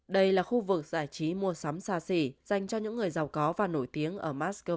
đây là khu vực giải trí mua sắm xa xỉ dành cho những người giàu có và nổi tiếng ở moscow